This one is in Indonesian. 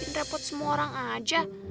repot semua orang aja